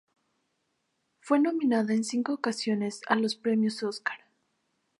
Fue nominada en cinco ocasiones a los Premios Oscar.